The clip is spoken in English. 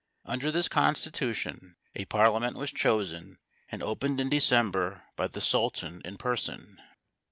Under this constitution a parliament was chosen and opened in December by the Sultan in person.